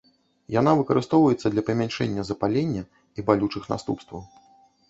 Яна выкарыстоўваецца для памяншэння запалення і балючых наступстваў.